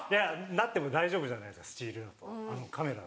なっても大丈夫じゃないですかスチールだとカメラだと。